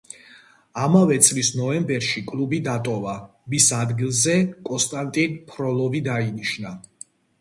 ამავე წლის ნოემბერში კლუბი დატოვა, მის ადგილზე კონსტანტინ ფროლოვი დაინიშნა.